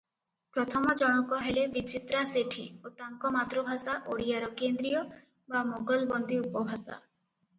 ପ୍ରଥମ ଜଣକ ହେଲେ ବିଚିତ୍ରା ସେଠୀ ଓ ତାଙ୍କ ମାତୃଭାଷା ଓଡ଼ିଆର କେନ୍ଦ୍ରୀୟ ବା ମୋଗଲବନ୍ଦୀ ଉପଭାଷା ।